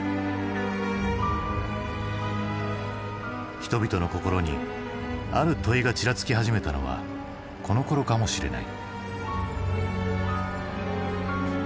人々の心にある問いがちらつき始めたのはこのころかもしれない。